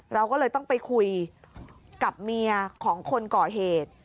เราก็เลยต้องไปคุยกับเมียของคนก่อเหตุ